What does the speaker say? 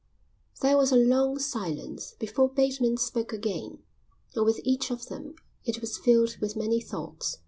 There was a long silence before Bateman spoke again, and with each of them it was filled with many thoughts.